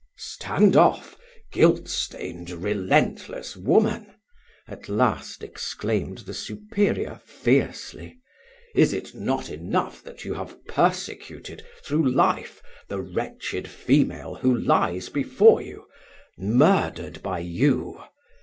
"Stand off! guilt stained, relentless woman," at last exclaimed the superior fiercely: "is it not enough that you have persecuted, through life, the wretched female who lies before you murdered by you?